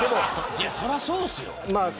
そりゃそうですよ。